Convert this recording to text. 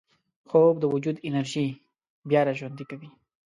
خوب د وجود انرژي بیا راژوندي کوي